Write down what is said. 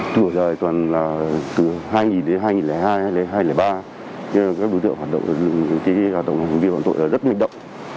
tuổi đời toàn là từ hai nghìn đến hai nghìn hai đến hai nghìn ba các đối tượng hoạt động các tổng hành vi hoạt động rất manh động